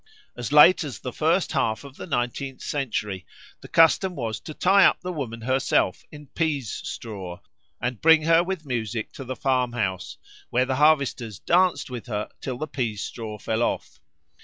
As late as the first half of the nineteenth century the custom was to tie up the woman herself in pease straw, and bring her with music to the farmhouse, where the harvesters danced with her till the pease straw fell off.